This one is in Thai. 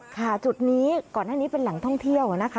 จุดนี้ก่อนหน้านี้เป็นแหล่งท่องเที่ยวนะคะ